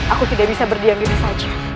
aku tidak bisa berdiam diri saja